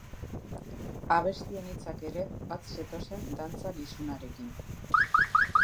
Abestien hitzak ere bat zetozen dantza lizunarekin.